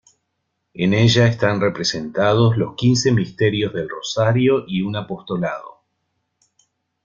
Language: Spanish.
En ella están representados los quince misterios del rosario y un apostolado.